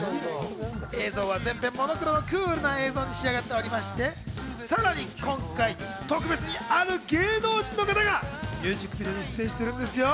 映像は全編モノクロのクールな映像に仕上がっておりまして、さらに今回、特別にある芸能人の方がミュージックビデオに出演しているんですよ。